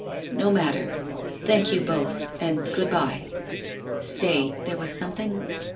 ' No matter. Thank you both — and good bye. ... Stay, there was something?